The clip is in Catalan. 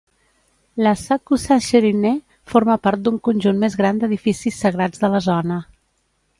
L'Asakusa Shrine forma part d'un conjunt més gran d'edificis sagrats de la zona.